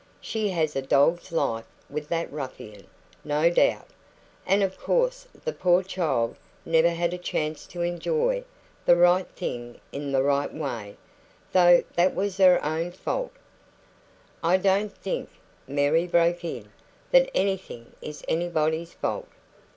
She has a dog's life with that ruffian, no doubt; and of course the poor child never had a chance to enjoy the right thing in the right way though that was her own fault " "I don't think," Mary broke in, "that ANYTHING is ANYBODY'S fault."